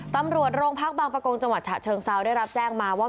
ตำรวจโรงพักบางประกงจังหวัดฉะเชิงเซาได้รับแจ้งมาว่า